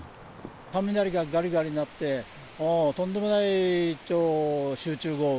雷ががりがりなって、とんでもない超集中豪雨。